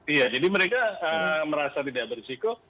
iya jadi mereka merasa tidak berisiko